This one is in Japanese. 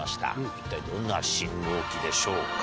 一体どんな信号機でしょうか？